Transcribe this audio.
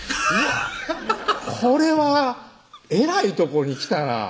これはえらいとこに来たなぁ